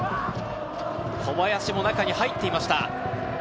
小林も中に入っていました。